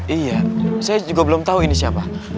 iya saya juga belum tahu ini siapa